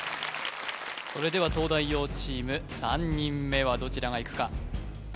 それでは東大王チーム３人目はどちらがいくか？